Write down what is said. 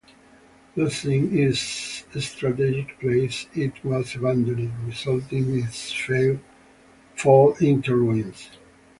Losing its strategic place, it was abandoned resulting in its fall into ruins.